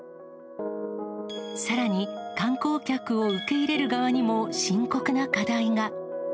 さらに観光客を受け入れる側にも、深刻な課題が。